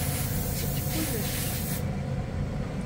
Eǧǧ kullec.